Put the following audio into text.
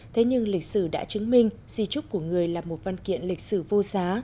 thế nhưng lịch sử đã chứng minh di trúc của người là một văn kiện lịch sử vô giá